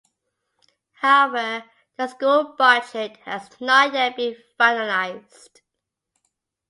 However, the school budget has not yet been finalized.